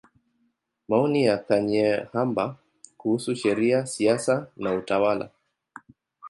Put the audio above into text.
Maoni ya Kanyeihamba kuhusu Sheria, Siasa na Utawala.